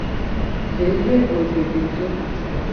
Vevegodedejo.